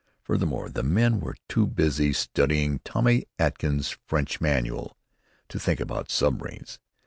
Furthermore, the men were too busy studying "Tommy Atkins's French Manual" to think about submarines.